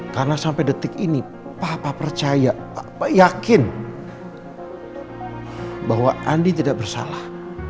karena sampai detik ini papa percaya yakin bahwa andin tidak bersalah